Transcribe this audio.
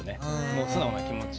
もう素直な気持ち。